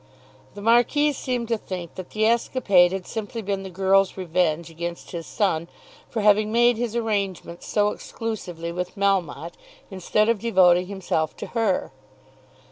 The Marquis seemed to think that the escapade had simply been the girl's revenge against his son for having made his arrangements so exclusively with Melmotte, instead of devoting himself to her.